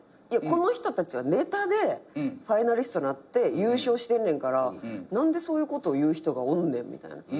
この人たちはネタでファイナリストなって優勝してんねんから何でそういうことを言う人がおんねんみたいな。